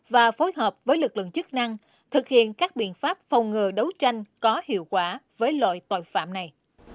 và phối hợp với lực lượng chức năng thực hiện các biện pháp phòng ngừa đấu tranh có hiệu quả với loại tội phạm này